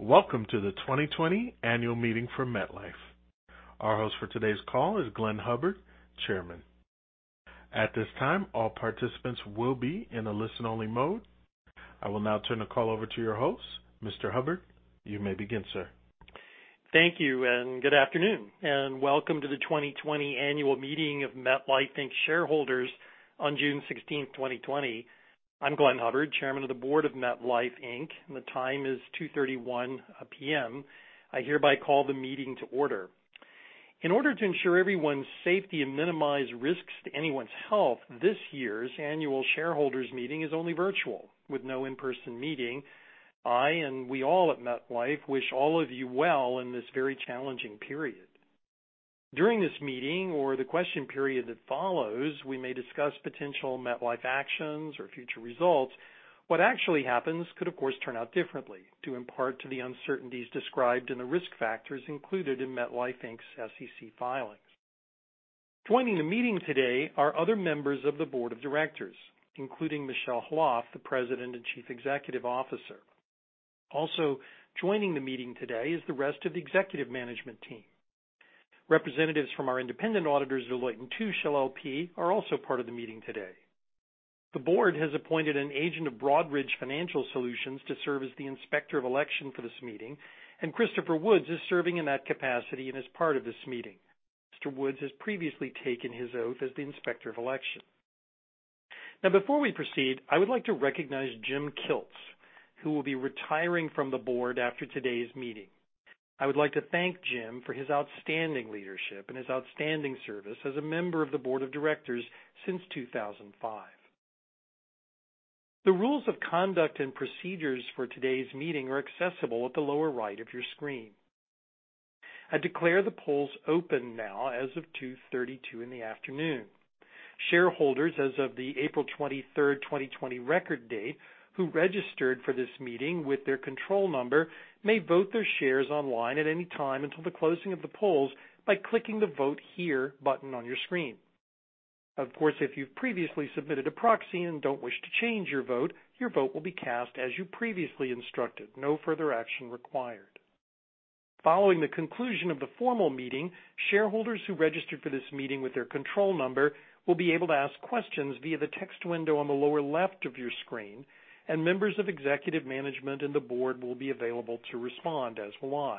Welcome to the 2020 Annual Meeting for MetLife. Our host for today's call is Glenn Hubbard, Chairman. At this time, all participants will be in a listen-only mode. I will now turn the call over to your host, Mr. Hubbard. You may begin, sir. Thank you, and good afternoon, and welcome to the 2020 Annual Meeting of MetLife shareholders on June 16th, 2020. I'm Glenn Hubbard, Chairman of the Board of MetLife, and the time is 2:31 P.M. I hereby call the meeting to order. In order to ensure everyone's safety and minimize risks to anyone's health, this year's Annual Shareholders Meeting is only virtual. With no in-person meeting, I and we all at MetLife wish all of you well in this very challenging period. During this meeting, or the question period that follows, we may discuss potential MetLife actions or future results. What actually happens could, of course, turn out differently due in part to the uncertainties described in the risk factors included in MetLife's SEC filings. Joining the meeting today are other members of the Board of Directors, including Michel Khalaf, the President and Chief Executive Officer. Also joining the meeting today is the rest of the executive management team. Representatives from our independent auditors, Deloitte & Touche LLP, are also part of the meeting today. The Board has appointed an agent of Broadridge Financial Solutions to serve as the Inspector of Election for this meeting, and Christopher Woods is serving in that capacity and is part of this meeting. Mr. Woods has previously taken his oath as the Inspector of Election. Now, before we proceed, I would like to recognize Jim Kilts, who will be retiring from the Board after today's meeting. I would like to thank Jim for his outstanding leadership and his outstanding service as a member of the Board of Directors since 2005. The rules of conduct and procedures for today's meeting are accessible at the lower right of your screen. I declare the polls open now as of 2:32 P.M. Shareholders, as of the April 23rd, 2020, record date, who registered for this meeting with their control number may vote their shares online at any time until the closing of the polls by clicking the "Vote Here" button on your screen. Of course, if you've previously submitted a proxy and don't wish to change your vote, your vote will be cast as you previously instructed. No further action required. Following the conclusion of the formal meeting, shareholders who registered for this meeting with their control number will be able to ask questions via the text window on the lower left of your screen, and members of executive management and the Board will be available to respond as well.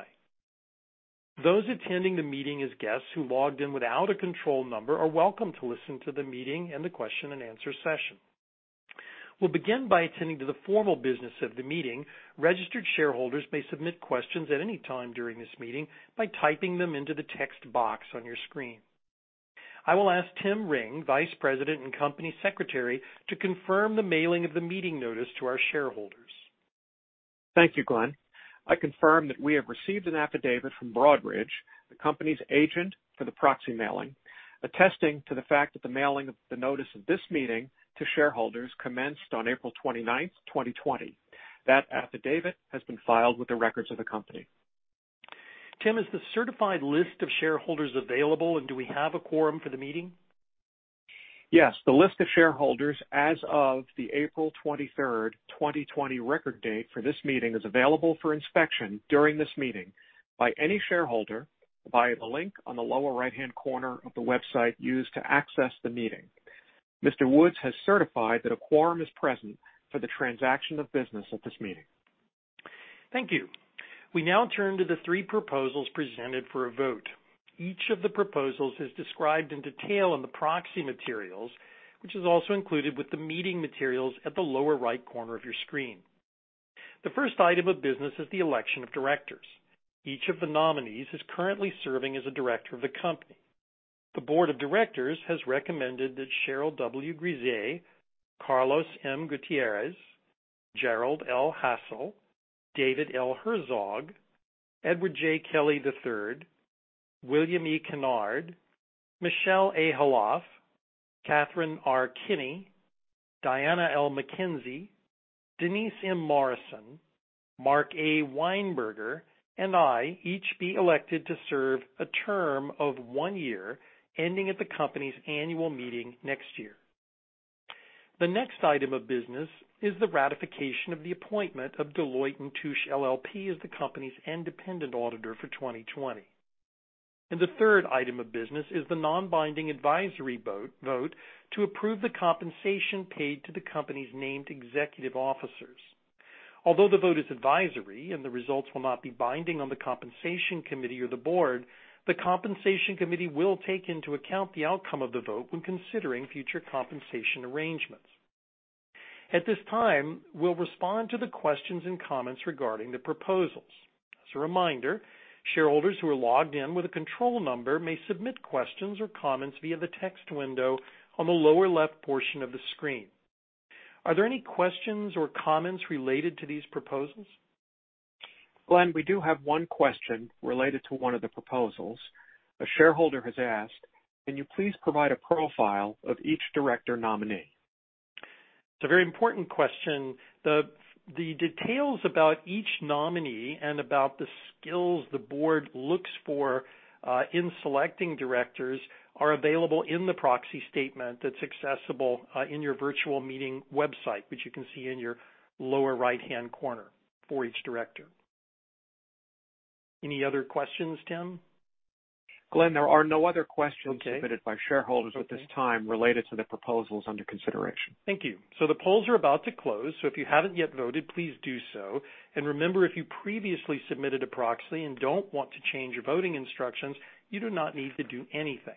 Those attending the meeting as guests who logged in without a control number are welcome to listen to the meeting and the question-and-answer session. We'll begin by attending to the formal business of the meeting. Registered shareholders may submit questions at any time during this meeting by typing them into the text box on your screen. I will ask Tim Ring, Vice President and Company Secretary, to confirm the mailing of the meeting notice to our shareholders. Thank you, Glenn. I confirm that we have received an affidavit from Broadridge, the company's agent for the proxy mailing, attesting to the fact that the mailing of the notice of this meeting to shareholders commenced on April 29th, 2020. That affidavit has been filed with the records of the company. Tim, is the certified list of shareholders available, and do we have a quorum for the meeting? Yes. The list of shareholders as of the April 23rd, 2020, record date for this meeting is available for inspection during this meeting by any shareholder via the link on the lower right-hand corner of the website used to access the meeting. Mr. Woods has certified that a quorum is present for the transaction of business at this meeting. Thank you. We now turn to the three proposals presented for a vote. Each of the proposals is described in detail in the proxy materials, which is also included with the meeting materials at the lower right corner of your screen. The first item of business is the election of directors. Each of the nominees is currently serving as a director of the company. The Board of Directors has recommended that Cheryl W. Grisé, Carlos M. Gutierrez, Gerald L. Hassell, David L. Herzog, Edward J. Kelly III, William E. Kennard, Michel A. Khalaf, Kathleen R. Kinney, Diana L. McKenzie, Denise M. Morrison, Mark A. Weinberger, and I each be elected to serve a term of one year ending at the company's annual meeting next year. The next item of business is the ratification of the appointment of Deloitte & Touche LLP as the company's independent auditor for 2020. The third item of business is the non-binding advisory vote to approve the compensation paid to the company's named executive officers. Although the vote is advisory and the results will not be binding on the compensation committee or the Board, the compensation committee will take into account the outcome of the vote when considering future compensation arrangements. At this time, we'll respond to the questions and comments regarding the proposals. As a reminder, shareholders who are logged in with a control number may submit questions or comments via the text window on the lower left portion of the screen. Are there any questions or comments related to these proposals? Glenn, we do have one question related to one of the proposals. A shareholder has asked, "Can you please provide a profile of each director nominee? It's a very important question. The details about each nominee and about the skills the Board looks for in selecting directors are available in the proxy statement that's accessible in your virtual meeting website, which you can see in your lower right-hand corner for each director. Any other questions, Tim? Glenn, there are no other questions submitted by shareholders at this time related to the proposals under consideration. Thank you. The polls are about to close, so if you haven't yet voted, please do so. Remember, if you previously submitted a proxy and don't want to change your voting instructions, you do not need to do anything.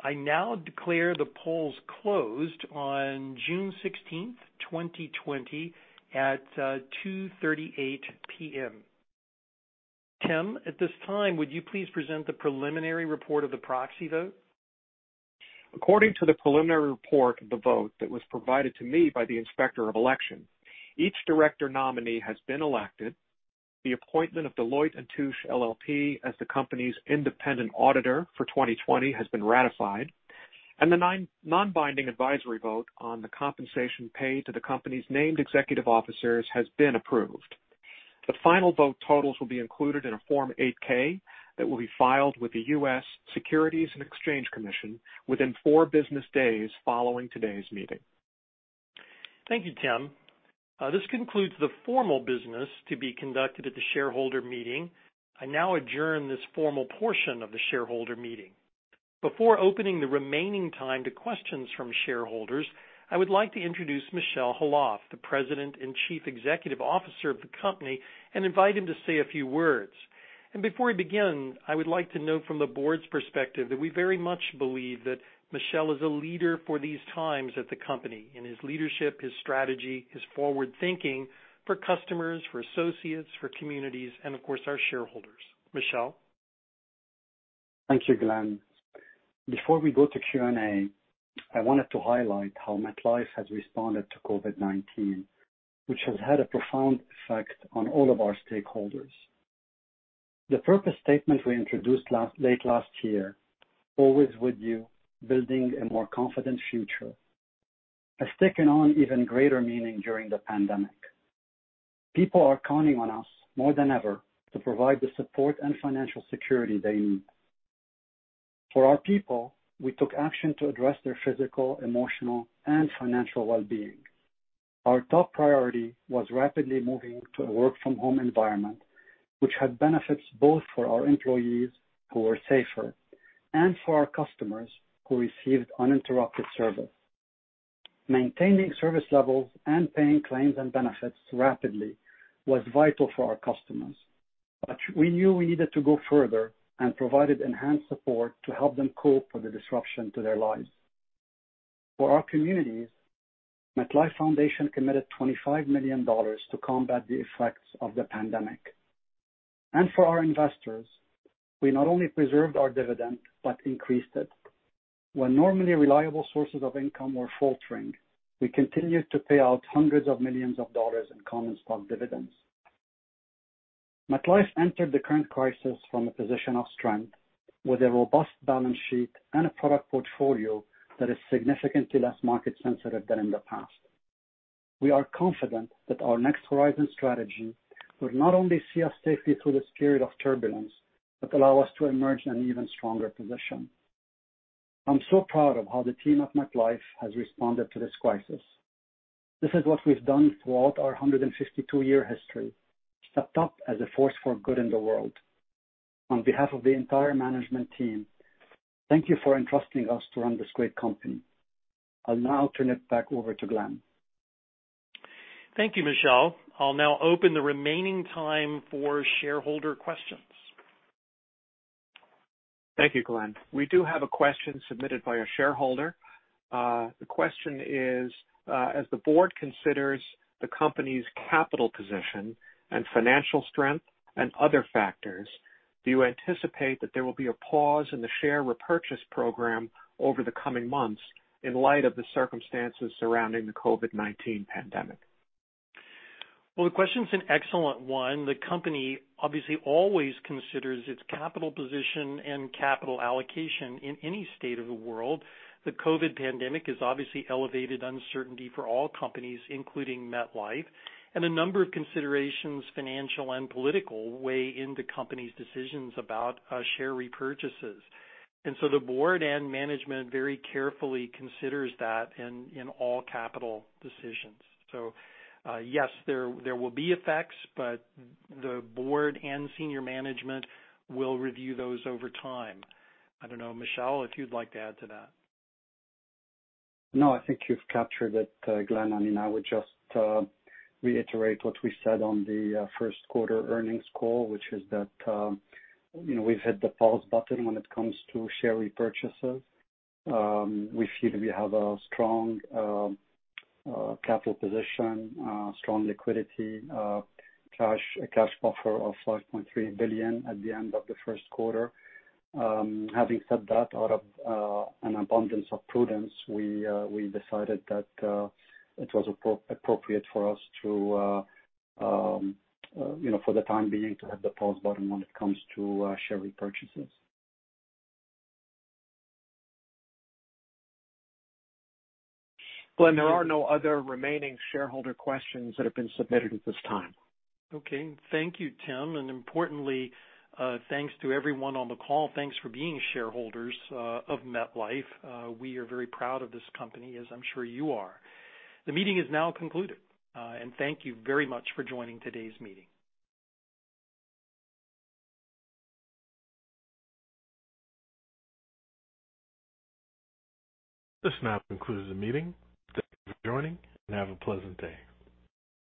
I now declare the polls closed on June 16th, 2020, at 2:38 P.M. Tim, at this time, would you please present the preliminary report of the proxy vote? According to the preliminary report of the vote that was provided to me by the Inspector of Election, each director nominee has been elected, the appointment of Deloitte & Touche LLP as the company's independent auditor for 2020 has been ratified, and the non-binding advisory vote on the compensation paid to the company's named executive officers has been approved. The final vote totals will be included in a Form 8-K that will be filed with the U.S. Securities and Exchange Commission within four business days following today's meeting. Thank you, Tim. This concludes the formal business to be conducted at the shareholder meeting. I now adjourn this formal portion of the shareholder meeting. Before opening the remaining time to questions from shareholders, I would like to introduce Michel Khalaf, the President and Chief Executive Officer of the company, and invite him to say a few words. Before we begin, I would like to note from the Board's perspective that we very much believe that Michel is a leader for these times at the company in his leadership, his strategy, his forward thinking for customers, for associates, for communities, and of course, our shareholders. Michel? Thank you, Glenn. Before we go to Q&A, I wanted to highlight how MetLife has responded to COVID-19, which has had a profound effect on all of our stakeholders. The purpose statement we introduced late last year, "Always with you, building a more confident future," has taken on even greater meaning during the pandemic. People are counting on us more than ever to provide the support and financial security they need. For our people, we took action to address their physical, emotional, and financial well-being. Our top priority was rapidly moving to a work-from-home environment, which had benefits both for our employees, who were safer, and for our customers, who received uninterrupted service. Maintaining service levels and paying claims and benefits rapidly was vital for our customers, but we knew we needed to go further and provided enhanced support to help them cope with the disruption to their lives. For our communities, MetLife Foundation committed $25 million to combat the effects of the pandemic. For our investors, we not only preserved our dividend but increased it. When normally reliable sources of income were faltering, we continued to pay out hundreds of millions of dollars in common stock dividends. MetLife entered the current crisis from a position of strength with a robust balance sheet and a product portfolio that is significantly less market-sensitive than in the past. We are confident that our next horizon strategy will not only see us safely through this period of turbulence but allow us to emerge in an even stronger position. I'm so proud of how the team at MetLife has responded to this crisis. This is what we've done throughout our 152-year history, stepped up as a force for good in the world. On behalf of the entire management team, thank you for entrusting us to run this great company. I'll now turn it back over to Glenn. Thank you, Michel. I'll now open the remaining time for shareholder questions. Thank you, Glenn. We do have a question submitted by a shareholder. The question is, "As the Board considers the company's capital position and financial strength and other factors, do you anticipate that there will be a pause in the share repurchase program over the coming months in light of the circumstances surrounding the COVID-19 pandemic? The question's an excellent one. The company obviously always considers its capital position and capital allocation in any state of the world. The COVID pandemic has obviously elevated uncertainty for all companies, including MetLife, and a number of considerations, financial and political, weigh into companies' decisions about share repurchases. The Board and management very carefully consider that in all capital decisions. Yes, there will be effects, but the Board and senior management will review those over time. I don't know, Michel, if you'd like to add to that. No, I think you've captured it, Glenn. I mean, I would just reiterate what we said on the first quarter earnings call, which is that we've hit the pause button when it comes to share repurchases. We feel we have a strong capital position, strong liquidity, cash buffer of $5.3 billion at the end of the first quarter. Having said that, out of an abundance of prudence, we decided that it was appropriate for us to, for the time being, to hit the pause button when it comes to share repurchases. Glenn, there are no other remaining shareholder questions that have been submitted at this time. Okay. Thank you, Tim. Importantly, thanks to everyone on the call. Thanks for being shareholders of MetLife. We are very proud of this company, as I'm sure you are. The meeting is now concluded, and thank you very much for joining today's meeting. This now concludes the meeting. Thank you for joining, and have a pleasant day.